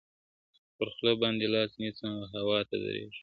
پر خوله باندي لاس نيسم و هوا ته درېږم~